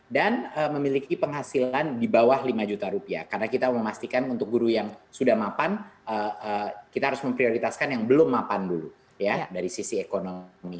dan memiliki penghasilan di bawah lima juta rupiah karena kita memastikan untuk guru yang sudah mapan kita harus memprioritaskan yang belum mapan dulu ya dari sisi ekonomi